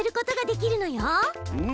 うん。